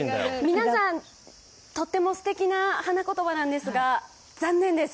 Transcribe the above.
皆さん、とってもすてきな花言葉なんですが、残念です。